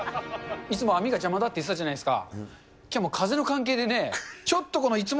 いつも網が邪魔だって言ってたじゃないですか。